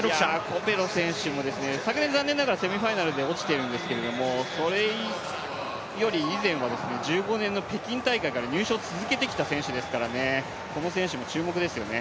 コペロ選手も昨年は残念ながらセミファイナルで落ちているんですけどそれより以前は１５年の北京大会から入賞を続けてきた選手ですからこの選手も注目ですよね。